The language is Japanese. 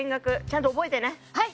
ちゃんと覚えてね。